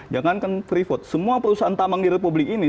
jangankan pripot semua perusahaan tamang di republik ini